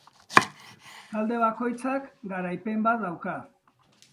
Talde bakoitzak garaipen bat dauka.